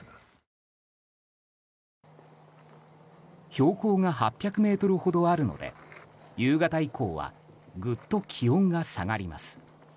標高が８００ｍほどあるので夕方以降はぐっと気温が下がります。